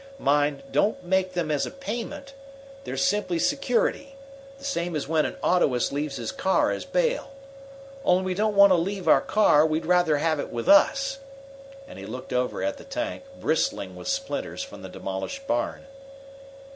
Mind, don't make them as a payment. They're simply security the same as when an autoist leaves his car as bail. Only we don't want to leave our car, we'd rather have it with us," and he looked over at the tank, bristling with splinters from the demolished barn.